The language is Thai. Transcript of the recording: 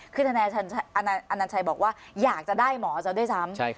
คือทนายอนัญชัยบอกว่าอยากจะได้หมอซะด้วยซ้ำ